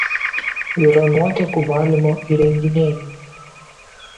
Yra nuotekų valymo įrenginiai.